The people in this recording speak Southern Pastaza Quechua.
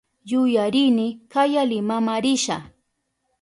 Yuyarini kaya Limama risha.